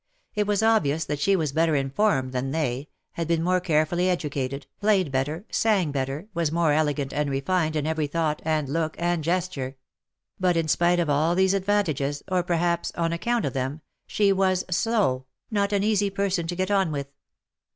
It was obvious that she was better informed than they, had been more carefully educated, played better, sang better, was more elegant and refined in every thought, and look, and gesture ; but, in spite of all these advantages, or perhaps on account of them, she was '' slow f' not an easy person to get on with.